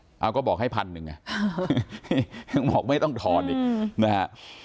เอาก็บอกให้พันหนึ่งอ่ะยังบอกไม่ต้องถอนอีกนะฮะ